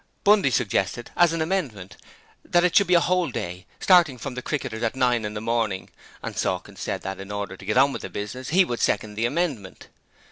Bundy suggested as an amendment that it should be a whole day, starting from the Cricketers at nine in the morning, and Sawkins said that, in order to get on with the business, he would second the amendment.